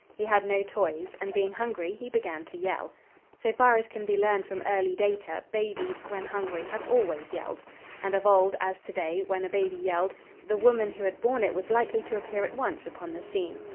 He had no toys, and, being hungry, he began to yell. So far as can be learned from early data, babies, when hungry, have always yelled. And, of old, as to day, when a baby yelled, the woman who had borne it was likely to appear at once upon the scene.